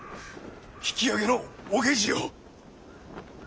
引き揚げのお下知を！